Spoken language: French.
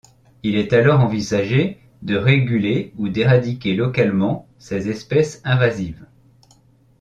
Il est alors envisagé de réguler ou d'éradiquer localement ces espèces invasives.